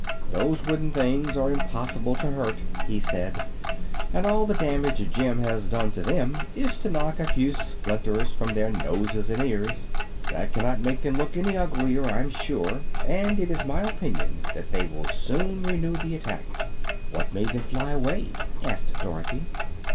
"Those wooden things are impossible to hurt," he said, "and all the damage Jim has done to them is to knock a few splinters from their noses and ears. That cannot make them look any uglier, I'm sure, and it is my opinion they will soon renew the attack." "What made them fly away?" asked Dorothy.